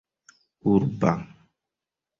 urba